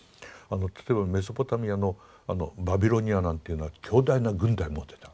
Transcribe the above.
例えばメソポタミアのバビロニアなんていうのは強大な軍隊を持ってた。